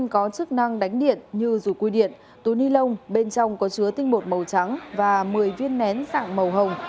có chức năng đánh điện như rùi quy điện túi ni lông bên trong có chứa tinh bột màu trắng và một mươi viên nén dạng màu hồng